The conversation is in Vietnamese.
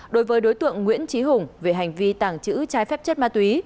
đối với đối tượng nguyễn trí hùng về hành vi tàng trữ trái phép chất ma túy